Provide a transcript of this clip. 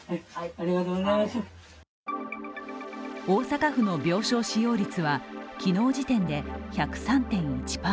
大阪府の病床使用率は昨日時点で１０３．１％。